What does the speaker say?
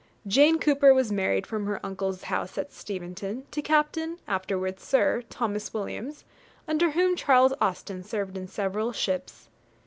Jane Cooper was married from her uncle's house at Steventon, to Captain, afterwards Sir Thomas Williams, under whom Charles Austen served in several ships.